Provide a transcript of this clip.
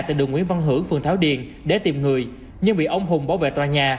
tại đường nguyễn văn hưởng phường thảo điền để tìm người nhưng bị ông hùng bảo vệ tòa nhà